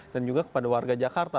dan juga kepada warga jakarta